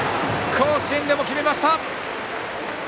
甲子園でも決めました！